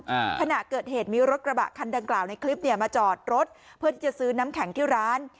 ขณะเกิดเหตุมีรถกระบะคันดังกล่าวในคลิปเนี่ยมาจอดรถเพื่อที่จะซื้อน้ำแข็งที่ร้าน